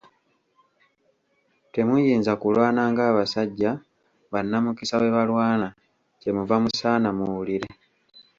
Temuyinza kulwana ng'abasajja bannamukisa bwe balwana, kyemuva musaana muwulire!